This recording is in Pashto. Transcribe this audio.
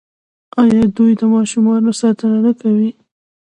آیا دوی د ماشومانو ساتنه نه کوي؟